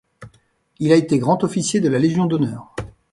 Il a été grand officier de la Légion d'honneur.